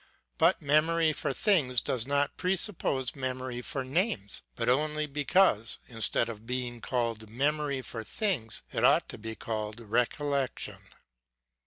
But memory for things does not presuppose memory for names ; but only because, instead of being called memory for things, it ought to be called recollection.